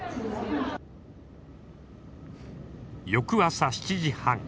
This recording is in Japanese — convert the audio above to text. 翌朝７時半。